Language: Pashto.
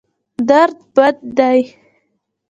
درد بد دی.